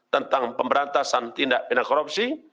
tentang pemberantasan tindak pindah korupsi